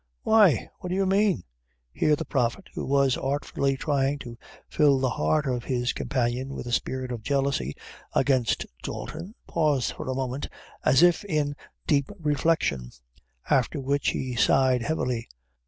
"Why? what do you mean?" Here the prophet, who was artfully trying to fill the heart of his companion with a spirit of jealousy against Dalton, paused for a moment, as if in deep reflection, after which he sighed heavily.